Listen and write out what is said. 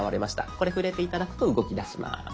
これ触れて頂くと動きだします。